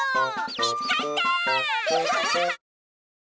みつかった！